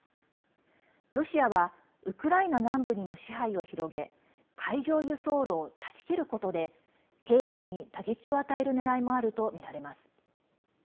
ロシアはウクライナ南部にも支配を広げ海上輸送路を断ち切ることで経済に打撃を与えるねらいもあるとみられます。